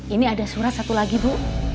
ini ada surat satu lagi bu